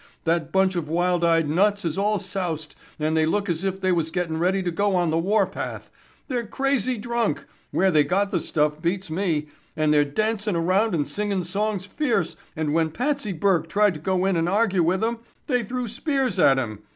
That bunch of wild eyed nuts is all soused and they look as if they was gettin' ready to go on the warpath. They're crazy drunk—where they got the stuff beats me,——and they're dancin' around and singing' songs fierce and when Patsy Burke tried to go in and argue with 'em they threw spears at him.